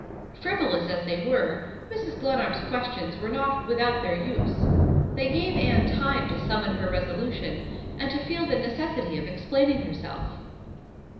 Frivolous as they were, Mrs. Glenarm's questions were not without their use. They gave Anne time to summon her resolution, and to feel the necessity of explaining herself.